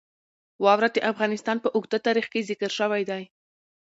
واوره د افغانستان په اوږده تاریخ کې ذکر شوی دی.